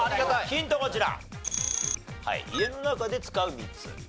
ヒントこちら！